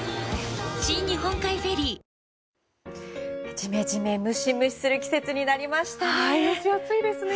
ジメジメ、ムシムシする季節になりましたね。